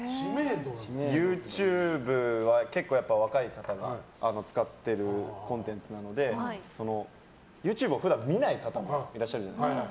ＹｏｕＴｕｂｅは結構、若い方が使っているコンテンツなのでＹｏｕＴｕｂｅを普段見ない方もいらっしゃるじゃないですか。